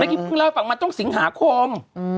กีเพิ่งเล่าให้ฟังมันต้องสิงหาคม